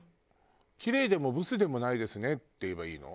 「キレイでもブスでもないですね」って言えばいいの？